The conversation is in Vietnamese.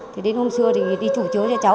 thì đến hôm xưa thì đi chủ chới cho cháu